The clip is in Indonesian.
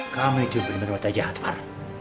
kami itu yang berdiri menurutnya jahat far